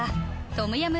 トムヤム？